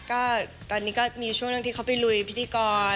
ก็ตอนนี้ก็มีช่วงหนึ่งที่เขาไปลุยพิธีกร